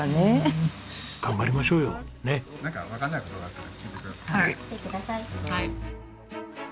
何かわからない事があったら聞いてください。